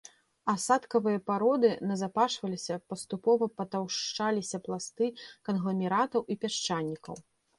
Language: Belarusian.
Асадкавыя пароды назапашваліся, паступова патаўшчаліся пласты кангламератаў і пясчанікаў.